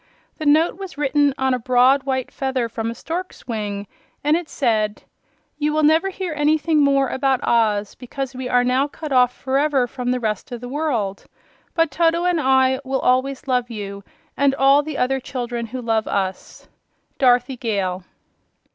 The note was written on a broad, white feather from a stork's wing, and it said: "YOU WILL NEVER HEAR ANYTHING MORE ABOUT OZ, BECAUSE WE ARE NOW CUT OFF FOREVER FROM ALL THE REST OF THE WORLD. BUT TOTO AND I WILL ALWAYS LOVE YOU AND ALL THE OTHER CHILDREN WHO LOVE US. "DOROTHY GALE."